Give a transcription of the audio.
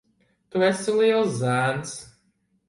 Tu esi liels zēns.